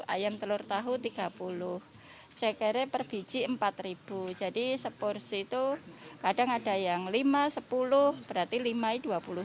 dua puluh tujuh ayam telur tahu tiga puluh cekere per biji empat ribu jadi seporsi itu kadang ada yang lima sepuluh berarti limai